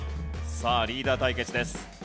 さあリーダー対決です。